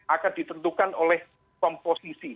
akan ditentukan oleh komposisi